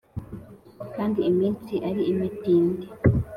kandi iminsi ari imitindi